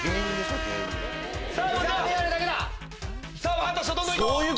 分かった人どんどん行こう。